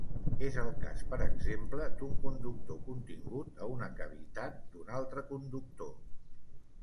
És el cas, per exemple, d'un conductor contingut a una cavitat d'un altre conductor.